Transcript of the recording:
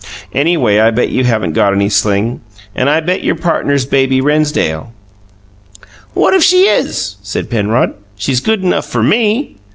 Anyway I bet you haven't got any sling and I bet your partner's Baby Rennsdale!" "What if she is?" said Penrod. "She's good enough for ME!"